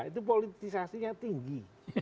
itu politisasinya tinggi